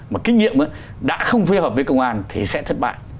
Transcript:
mà kinh nghiệm đã không phối hợp với công an thì sẽ thất bại